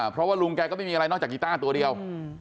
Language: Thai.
เพราะว่าลุงแกก็ไม่มีอะไรนอกจากกีต้าตัวเดียว